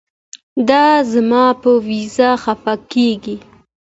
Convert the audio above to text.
دے زما پۀ وېزه خفه کيږي